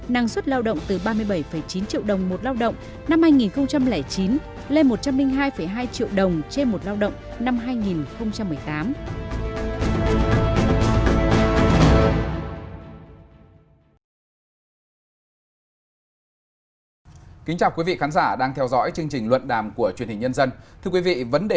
tám năng suất lao động từ ba mươi bảy chín triệu đồng một lao động năm hai nghìn chín lên một trăm linh hai hai triệu đồng trên một lao động năm hai nghìn một mươi tám